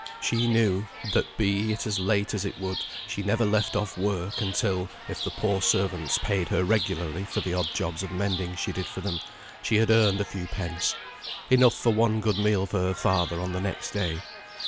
She knew, that be it as late as it would, she never left off work until (if the poor servants paid her pretty regularly for the odd jobs of mending she did for them) she had earned a few pence, enough for one good meal for her father on the next day.